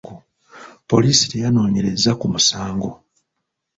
Poliisi teyanoonyereza ku musango.